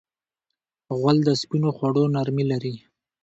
غول د سپینو خوړو نرمي لري.